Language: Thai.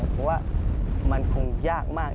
เพราะว่ามันคงยากมาก